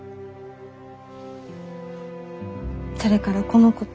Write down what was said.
それからこの子と。